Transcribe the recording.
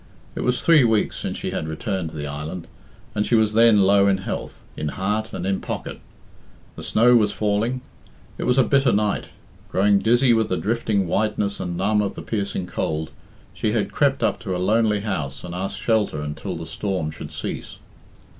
It was three weeks since she had returned to the island, and she was then low in health, in heart, and in pocket. The snow was falling. It was a bitter night. Growing dizzy with the drifting whiteness and numb with the piercing cold, she had crept up to a lonely house and asked shelter until the storm should cease.